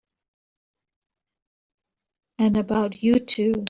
And about you too!